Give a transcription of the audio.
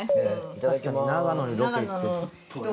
確かに長野にロケ行くと。